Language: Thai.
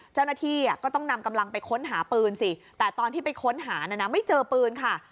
เจ้าหน้าที่ก็ต้องนำกำลังไปค้นหาปืนสิแต่ตอนที่ไปค้นหานะนะไม่เจอปืนค่ะ